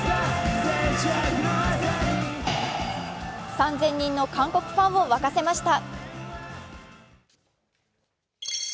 ３０００人の韓国ファンを沸かせました。